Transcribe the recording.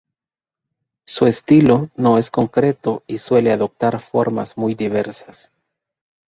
Su estilo no es concreto, y suele adoptar formas muy diversas.